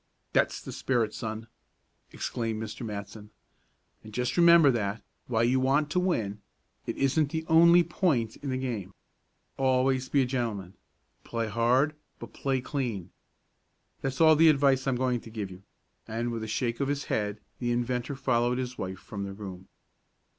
"That's the spirit, son," exclaimed Mr. Matson. "And just remember that, while you want to win, it isn't the only point in the game. Always be a gentleman play hard; but play clean! That's all the advice I'm going to give you," and with a shake of his hand the inventor followed his wife from the room.